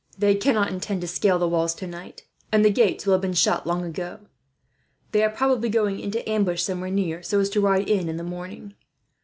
They cannot intend to scale the walls tonight, and the gates will have been shut long ago. They are probably going into ambush, somewhere near, so as to ride in in the morning.